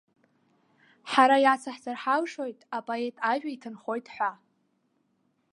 Ҳара иацаҳҵар ҳалшоит, апоет ажәа иҭынхоит ҳәа.